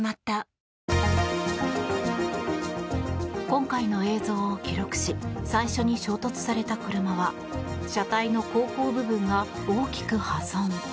今回の映像を記録し最初に衝突された車は車体の後方部分が大きく破損。